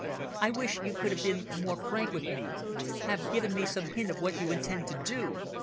"I wish you could have been more frank with me, have given me some hint of what you intend to do.